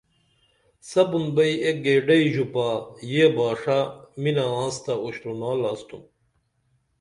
سپُن بئی ایک گیڈئی ژوپا یہ باݜہ مِنہ آنس تہ اُشترونال آستُھم